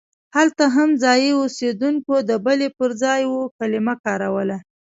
هلته هم ځایي اوسېدونکو د بلې پر ځای اوو کلمه کاروله.